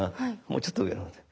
もうちょっと上の方で。